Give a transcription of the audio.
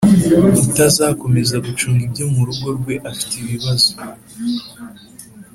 utazakomeza gucunga ibyo mu rugo rwe afite ibibazo